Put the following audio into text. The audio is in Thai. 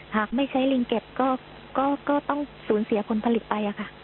หากไม่ใช้ลิงเก็บก็ต้องสูญเสียผลผลิตไปค่ะ